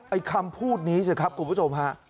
ไอ้คำพูดนี้สิครับคุณผู้ชมภาพ